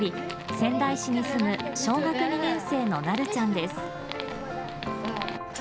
仙台市に住む小学２年生のなるちゃんです。